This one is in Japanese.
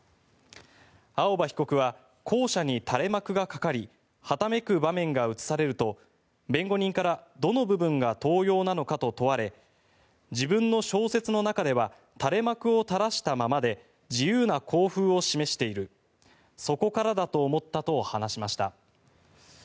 青葉被告は校舎に垂れ幕がかかりはためく場面が映されると弁護人からどの部分が盗用なのかと問われ自分の小説の中では垂れ幕を垂らしたままで自由な校風を示しているそこからだと思ったと話しました。